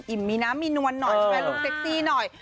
มีน้ำมีนวลหน่อยใช่ไหมลุงเซ็กซี่หน่อย